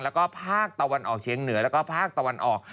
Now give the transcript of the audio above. แล้วก็ภาคตะวันออกเชียงเหนือแล้วก็ภาคตะวันออก